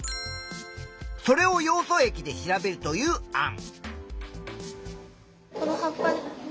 それをヨウ素液で調べるという案。